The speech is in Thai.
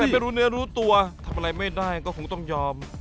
แต่ไม่รู้เนื้อรู้ตัวทำอะไรไม่ได้ก็คงต้องยอม